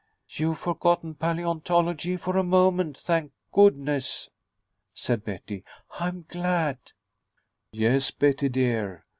"You've forgotten paleontology for a moment, thank goodness," said Betty. "I'm glad." "Yes, Betty dear.